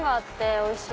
おいしい